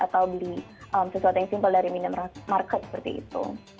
atau beli sesuatu yang simpel dari minimarket seperti itu